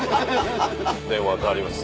電話代わります